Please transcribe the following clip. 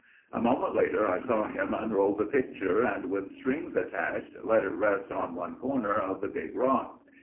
A moment later I saw him unroll the picture and with strings attached, let it rest on one corner of the big rock.